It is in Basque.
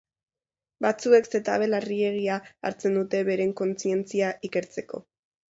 Batzuek zetabe larriegia hartzen dute beren kontzientzia ikertzeko.